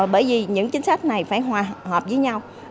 bởi vì những chính sách này phải hòa hợp với nhau